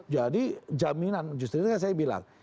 jadi jaminan justrinya saya bilang